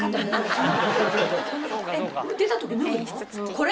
これ？